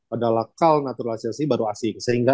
ada lakal naturalisasi baru asing sehingga